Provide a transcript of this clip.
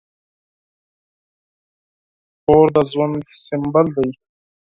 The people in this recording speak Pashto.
کور د ژوند سمبول دی.